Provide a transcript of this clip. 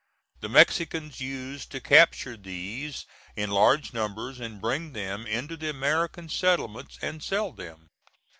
The Mexicans used to capture these in large numbers and bring them into the American settlements and sell them.